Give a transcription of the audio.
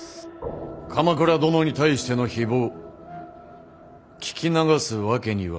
鎌倉殿に対しての誹謗聞き流すわけにはまいらぬ。